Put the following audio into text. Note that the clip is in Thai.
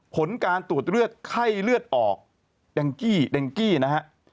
ผลการตรวจเลือดไข้เลือดออกแดงกี้เด็งกี้นะฮะ